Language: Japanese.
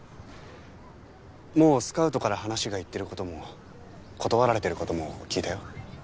もうスカウトから話がいってる事も断られてる事も聞いたよ。